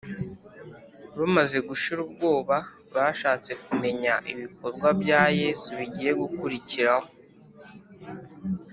bamaze gushira ubwoba, bashatse kumenya ibikorwa bya yesu bigiye gukurikiraho